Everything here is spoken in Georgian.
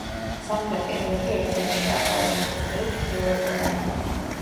სამხრეთ კედელში ერთი ნიშაა, ხოლო შესასვლელი ჩრდილოეთიდანაა.